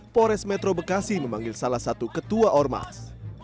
pores metro bekasi memanggil salah satu ketua ormas